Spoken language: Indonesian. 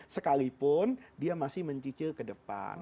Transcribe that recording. sekalipun dia masih mencicil ke depan